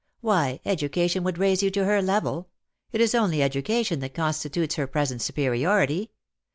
Why, education would raise you to her level ! It is only education that constitutes her present superiority.